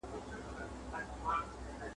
رسنۍ د خلکو نظر بدلوي.